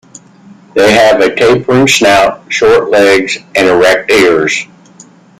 They have a tapering snout, short legs, and erect ears.